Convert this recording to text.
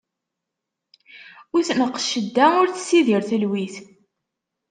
Ur tneqq cedda, ur tessidir telwit.